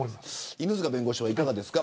犬塚弁護士はどうですか。